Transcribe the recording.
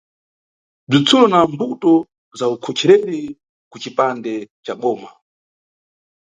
Bzitsulo na Mbuto za ukhochereri kucipande ca boma.